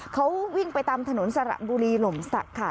เขาวิ่งไปตามถนนสระบุรีหล่มศักดิ์ค่ะ